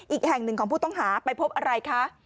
อีกแห่งหนึ่งของผู้ต้องหาไปพบอะไรคะ